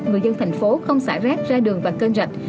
người dân thành phố không xả rác ra đường và kênh rạch